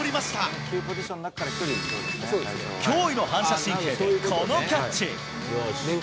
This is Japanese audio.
驚異の反射神経でこのキャッチ。